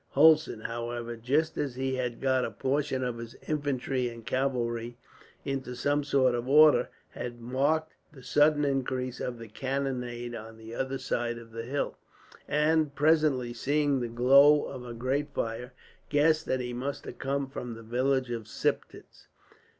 Hulsen, however, just as he had got a portion of his infantry and cavalry into some sort of order, had marked the sudden increase of the cannonade on the other side of the hill; and, presently seeing the glow of a great fire, guessed that it must come from the village of Siptitz.